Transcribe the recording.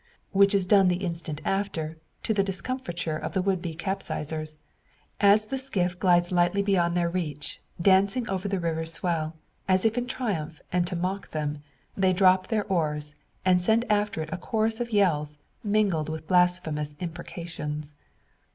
Which is done the instant after to the discomfiture of the would be capsizers. As the skiff glides lightly beyond their reach, dancing over the river swell, as if in triumph and to mock them, they drop their oars, and send after it a chorus of yells, mingled with blasphemous imprecations.